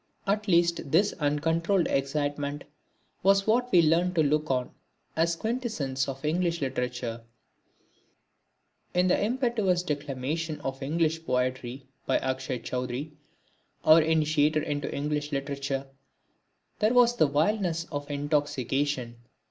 At least this uncontrolled excitement was what we learnt to look on as the quintessence of English literature. [Illustration: Moonlight] In the impetuous declamation of English poetry by Akshay Chowdhury, our initiator into English literature, there was the wildness of intoxication.